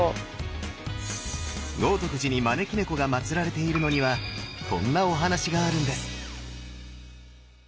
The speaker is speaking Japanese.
豪徳寺に招き猫がまつられているのにはこんなお話があるんです。